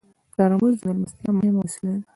ترموز د میلمستیا مهم وسیله ده.